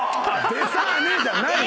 「でさーね」じゃないのよ。